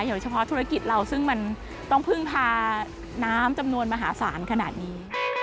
เฉพาะธุรกิจเราซึ่งมันต้องพึ่งพาน้ำจำนวนมหาศาลขนาดนี้